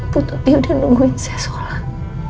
bu tuti udah nungguin saya sholat